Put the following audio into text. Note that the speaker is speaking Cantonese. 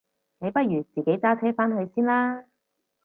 你不如自己揸車返去先啦？